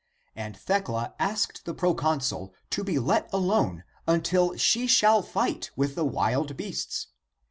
And Thecla^* asked the proconsul to be let alone until she shall fight with the wild beasts.